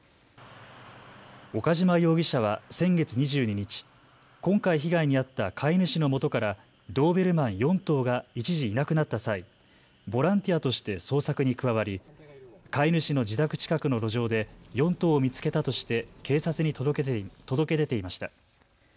岡島容疑者は先月２２日、今回被害に遭った飼い主のもとからドーベルマン４頭が一時いなくなった際、ボランティアとして捜索に加わり飼い主の自宅近くの路上で４頭を見つけたとして警察に届け出ていました。